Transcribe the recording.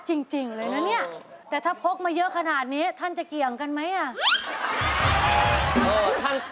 เมื่อนี้เฮียนคอยประมาณหกมิ้งแหลง